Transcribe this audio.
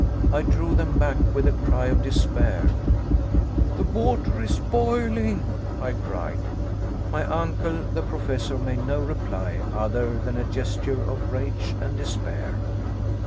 I drew them back with a cry of despair. "The water is boiling!" I cried. My uncle, the Professor, made no reply other than a gesture of rage and despair.